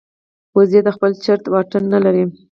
وزې د خپل چرته واټن نه لري